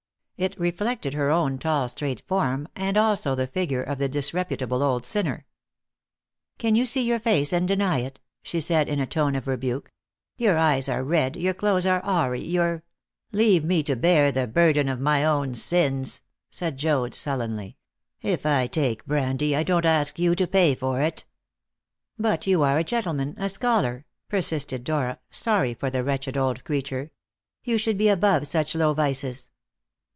It reflected her own tall, straight form, and also the figure of the disreputable old sinner. "Can you see your face and deny it?" she said in a tone of rebuke. "Your eyes are red, your clothes are awry, your " "Leave me to bear the burden of my own sins," said Joad sullenly; "if I take brandy, I don't ask you to pay for it." "But you are a gentleman, a scholar," persisted Dora, sorry for the wretched old creature; "you should be above such low vices."